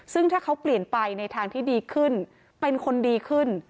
ซึ่งถ้าเขาเปลี่ยนไปในทางที่ดีขึ้นเป็นคนดีขึ้น